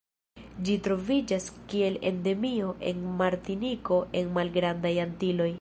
Ĝi troviĝas kiel endemio en Martiniko en Malgrandaj Antiloj.